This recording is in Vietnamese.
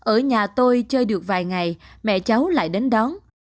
ở nhà tôi chơi được vài ngày mẹ cháu lại đến đón